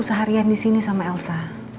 seharian disini sama elsa